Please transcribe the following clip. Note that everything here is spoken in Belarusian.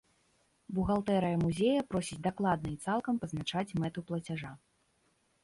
Бухгалтэрыя музея просіць дакладна і цалкам пазначаць мэту плацяжа.